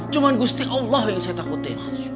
cuma gusti allah yang saya takuti